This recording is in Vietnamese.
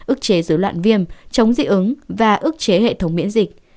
ức chế dưới loạn viêm chống dị ứng và ức chế hệ thống miễn dịch